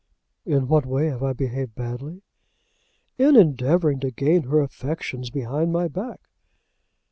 "In what way have I behaved badly?" "In endeavouring to gain her affections behind my back."